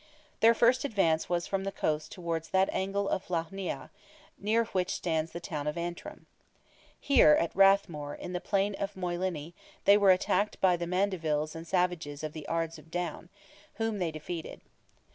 Their first advance was from the coast towards that angle of Lough Neagh, near which stands the town of Antrim. Here, at Rathmore, in the plain of Moylinny, they were attacked by the Mandevilles and Savages of the Ards of Down, whom they defeated.